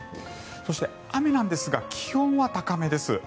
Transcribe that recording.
そして、雨なんですが気温は高めです。